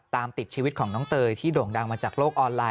ติดชีวิตของน้องเตยที่โด่งดังมาจากโลกออนไลน